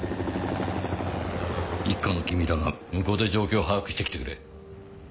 一課の君らが向こうで状況を把握して来てくれ。